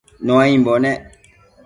Nuaimbo nec